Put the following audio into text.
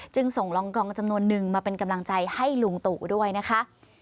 ส่งรองกองจำนวนนึงมาเป็นกำลังใจให้ลุงตู่ด้วยนะคะ